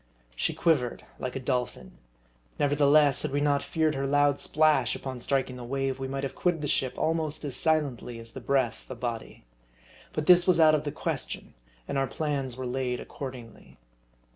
She quivered like a dolphin. Never theless, had we not feared her loud splash upon striking the wave, we might have quitted the ship almost as silently as the breath the body. But this was out of the question, and our plans were laid accordingly.